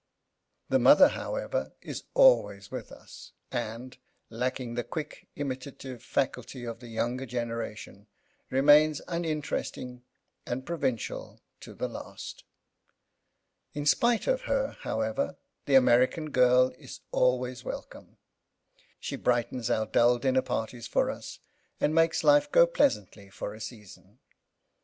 The mother, however, is always with us, and, lacking the quick imitative faculty of the younger generation, remains uninteresting and provincial to the last. In spite of her, however, the American girl is always welcome. She brightens our dull dinner parties for us and makes life go pleasantly by for a season.